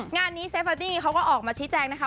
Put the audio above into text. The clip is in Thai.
งานนี้เซฟาร์ตี้เขาก็ออกมาชี้แจงนะคะ